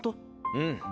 うん。